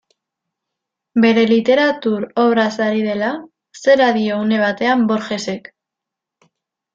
Bere literatur obraz ari dela, zera dio une batean Borgesek.